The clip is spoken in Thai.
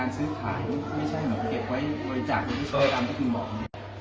ซื้อผ่านไม่ใช่เหมือนเก็บไว้บริจาคที่พี่บอวัยเนี่ย